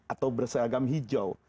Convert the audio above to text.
atau berseragam hijau